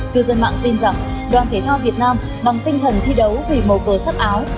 cư dân mạng tin rằng đoàn thể thao việt nam bằng tinh thần thi đấu vì màu cờ sắc áo